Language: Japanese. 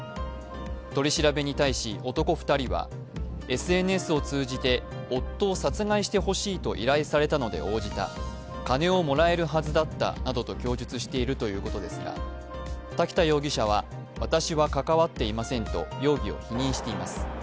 取り調べに対し男２人は、ＳＮＳを通じて夫を殺害してほしいと依頼されたので応じた、金をもらえるはずだったなどと供述しているということですが瀧田容疑者は、私は関わっていませんと容疑を否認しています。